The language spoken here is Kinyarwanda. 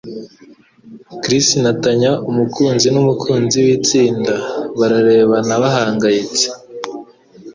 Chris na Tanya, umukunzi n'umukunzi w'itsinda, bararebana bahangayitse.